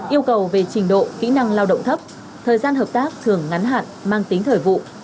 yêu cầu về trình độ kỹ năng lao động thấp thời gian hợp tác thường ngắn hạn mang tính thời vụ